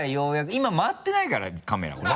今回ってないからカメラこれ。